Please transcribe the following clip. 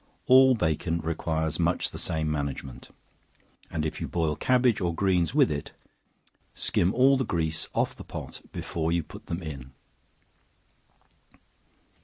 All bacon requires much the same management, and if you boil cabbage or greens with it, skim all the grease off the pot before you put them in.